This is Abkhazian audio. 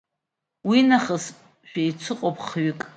Уинахыс шәеицыҟоуп хҩык…